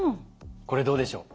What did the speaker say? これどうでしょう？